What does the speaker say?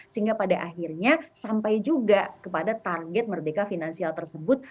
sehingga pada akhirnya sampai juga kepada target merdeka finansial tersebut